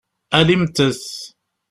Alimt-t.